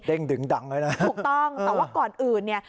ดึงดังเลยนะถูกต้องแต่ว่าก่อนอื่นเนี่ย